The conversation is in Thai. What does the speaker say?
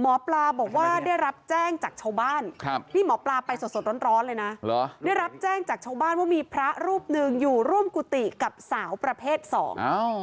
หมอปลาบอกว่าได้รับแจ้งจากชาวบ้านนี่หมอปลาไปสดร้อนเลยนะได้รับแจ้งจากชาวบ้านว่ามีพระรูปหนึ่งอยู่ร่วมกุฏิกับสาวประเภทสอง